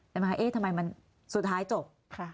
ทำไมมันสุดท้ายจบ